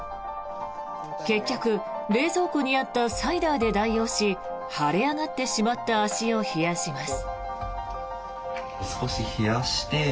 結局冷蔵庫にあったサイダーで代用し腫れ上がってしまった足を冷やします。